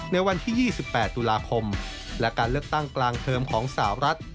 ในวันที่๒๘ตุลาคมและการเลือกตั้งกลางเทอมของสาวรัฐ